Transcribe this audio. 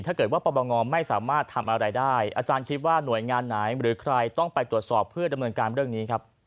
เช่นปรปชก็ยังสามารถตรวจสอบได้ครับ